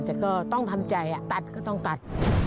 แต่ก็ต้องทำใจตัดก็ต้องตัด